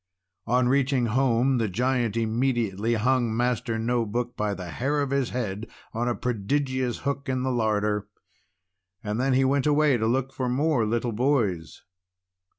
On reaching home the Giant immediately hung up Master No Book by the hair of his head on a prodigious hook in the larder. Then he went away to look for more little boys.